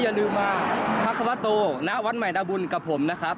อย่าลืมว่าพระควโตณวัดใหม่นาบุญกับผมนะครับ